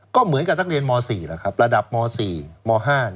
ก็เหมือนกับท่านเรียนม๔ระดับม๔ม๕